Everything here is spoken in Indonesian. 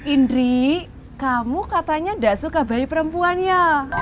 indri kamu katanya gak suka bayi perempuan ya